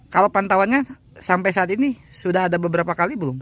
kalau pantauannya sampai saat ini sudah ada beberapa kali belum